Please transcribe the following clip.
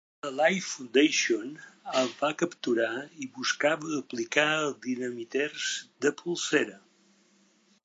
La Life Foundation el va capturar i buscava duplicar els dinamiters de polsera.